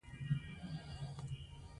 ډکه دستورومې لمن وه ترباران ولاړ مه